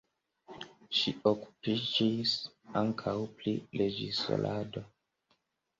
Ŝi okupiĝis ankaŭ pri reĝisorado.